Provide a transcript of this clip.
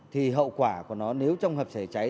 thì hậu quả của nó nếu trong hợp xảy cháy